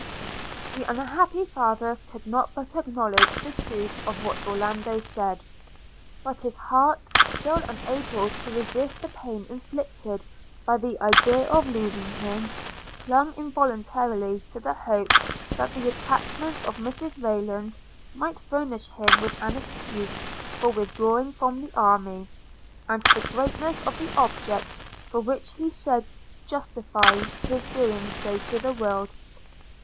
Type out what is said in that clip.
The unhappy father could not but acknowledge the truth of what Orlando said; but his heart, still unable to resist the pain inflicted by the idea of losing him, clung involuntarily to the hope that the attachment of Mrs Rayland might furnish him with an excuse for withdrawing from the army, and the greatness of the object for which he staid justify his doing so to the world.